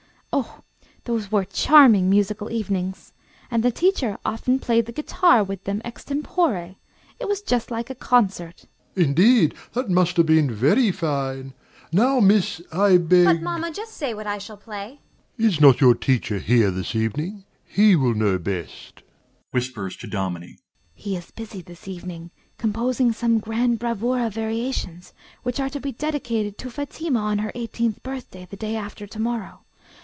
Oh, those were charming musical evenings! And the teacher often played the guitar with them extempore. It was just like a concert. DOMINIE. Indeed! that must have been very fine. Now, Miss, I beg FATIMA. But, mamma, just say what I shall play. DOMINIE. Is not your teacher here this evening? He will know best. AUNT (whispers to Dominie). He is busy this evening, composing some grand bravoura variations, which are to be dedicated to Fatima on her eighteenth birthday, the day after to morrow.